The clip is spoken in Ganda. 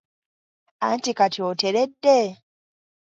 Anti kati oteredde?